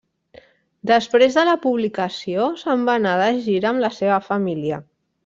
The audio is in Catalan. Després de la publicació, se'n va anar de gira amb la seva família.